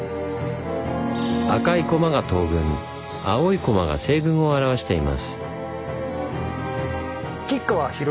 赤いコマが東軍青いコマが西軍を表しています。